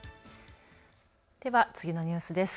では次のニュースです。